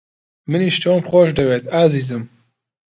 منیش تۆم خۆش دەوێت، ئازیزم.